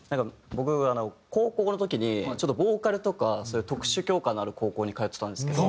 僕高校の時にちょっとボーカルとかそういう特殊教科のある高校に通ってたんですけど。